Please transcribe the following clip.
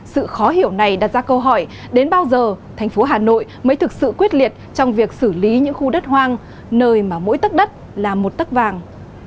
sự khó hiểu này đặt ra câu hỏi đến bao giờ thành phố hà nội mới thực sự quyết liệt trong việc xử lý những khu đất hoang nơi mà mỗi tất đất là một tất vàng